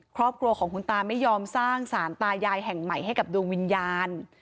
ครอบครัวของคุณตาไม่ยอมสร้างสารตายายแห่งใหม่ให้กับดวงวิญญาณ